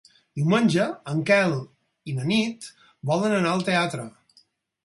Diumenge en Quel i na Nit volen anar al teatre.